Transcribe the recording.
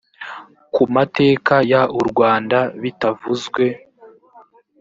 ku mateka y u rwanda bitavuzwe